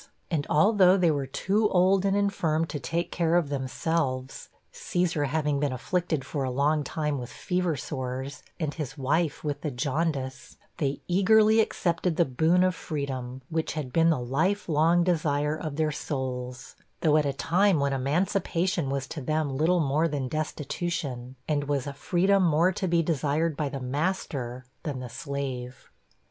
And although they were too old and infirm to take care of themselves, (Caesar having been afflicted for a long time with fever sores, and his wife with the jaundice), they eagerly accepted the boon of freedom, which had been the life long desire of their souls though at a time when emancipation was to them little more than destitution, and was a freedom more to be desired by the master than the slave.